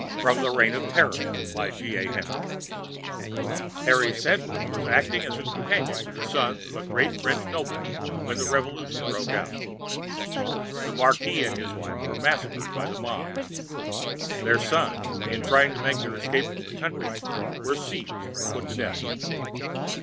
* *FROM "THE REIGN OF TERROR"* [Harry Sandwith was acting as companion to the sons of a great French noble when the Revolution broke out. The marquis and his wife were massacred by the mob. Their sons, in trying to make their escape from the country, were seized and put to death.